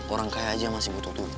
orang kaya aja masih butuh tuh